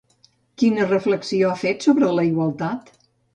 Quina reflexió ha fet sobre la igualtat?